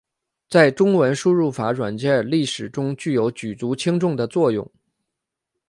在中文输入法软件历史中具有举足轻重的作用。